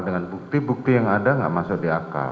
dengan bukti bukti yang ada